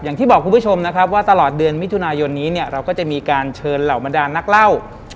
อย่างที่บอกคุณผู้ชมนะครับว่าตลอดเดือนมิถุนายนนี้เนี่ยเราก็จะมีการเชิญเหล่าบรรดานนักเล่า